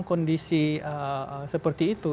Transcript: kondisi seperti itu